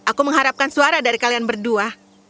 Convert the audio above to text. aku mengharapkan suara dari kalian berdua